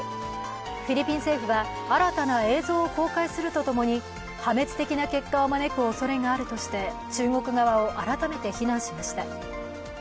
フィリピン政府は、新たな映像を公開するとともに破滅的な結果を招くおそれがあるとして中国側を改めて非難しました。